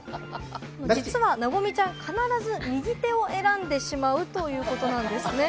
実は、なごみちゃん、必ず右手を選んでしまうということなんですね。